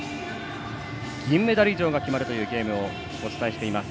銀メダル以上が決まるというゲームをお伝えしています。